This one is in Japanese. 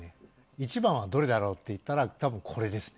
一番はどれだろうっていったら、たぶんこれですね。